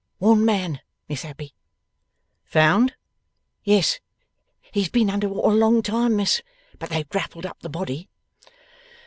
'One man, Miss Abbey.' 'Found?' 'Yes. He's been under water a long time, Miss; but they've grappled up the body.